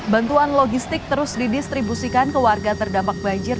bantuan logistik terus didistribusikan ke warga terdampak banjir